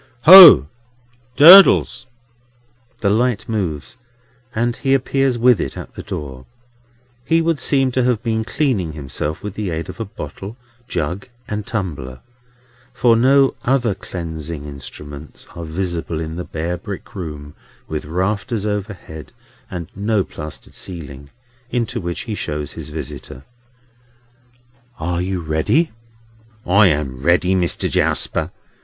"Ho! Durdles!" The light moves, and he appears with it at the door. He would seem to have been "cleaning himself" with the aid of a bottle, jug, and tumbler; for no other cleansing instruments are visible in the bare brick room with rafters overhead and no plastered ceiling, into which he shows his visitor. "Are you ready?" "I am ready, Mister Jarsper.